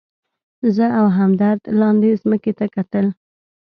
زه او همدرد لاندې مځکې ته کتل.